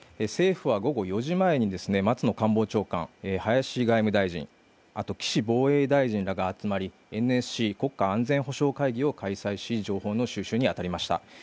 政府は午後４時前に松野官房長官、林外務大臣、岸防衛大臣らが集まりＮＳＣ＝国家安全保障会議を開催し情報の収集に当たりました。